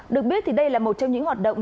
được biết thì đây là một trong những hoạt động